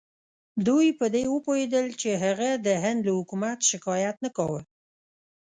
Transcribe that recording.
دوی په دې پوهېدل چې هغه د هند له حکومت شکایت نه کاوه.